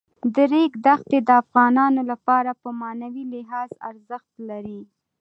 د ریګ دښتې د افغانانو لپاره په معنوي لحاظ ارزښت لري.